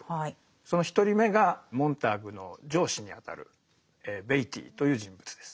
その一人目がモンターグの上司にあたるベイティーという人物です。